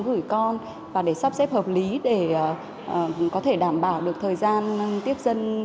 gửi con và để sắp xếp hợp lý để có thể đảm bảo được thời gian tiếp dân